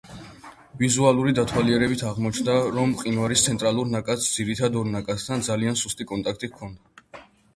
ვიზუალური დათვალიერებით აღმოჩნდა, რომ მყინვარის ცენტრალურ ნაკადს ძირითად ორ ნაკადთან ძალიან სუსტი კონტაქტი ჰქონდა.